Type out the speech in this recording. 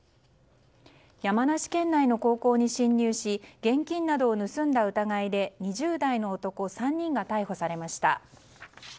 山梨県内の高校に侵入し現金などを盗んだ疑いで２０代の男３人が逮捕されました。